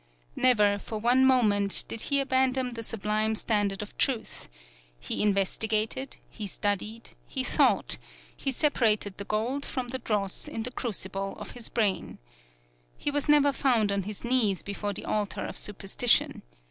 "Never, for one moment, did he abandon the sublime standard of truth: he investigated, he studied, he thought, he separated the gold from the dross in the crucible of his brain. He was never found on his knees before the altar of superstition.